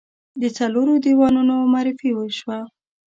د څلورو دیوانونو معرفي شوه.